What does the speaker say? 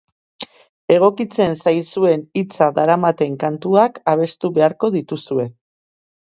Egokitzen zaizuen hitza daramaten kantuak abestu beharko dituzue.